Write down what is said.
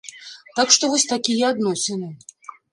Так што вось такія адносіны.